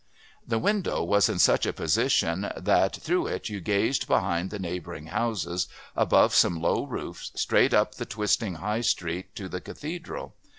The window was in such a position that through it you gazed behind the neighbouring houses, above some low roofs, straight up the twisting High Street to the Cathedral.